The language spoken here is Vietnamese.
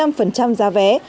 giảm hai mươi năm giá vé